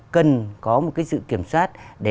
cần có một cái sự kiểm soát và kiểm soát được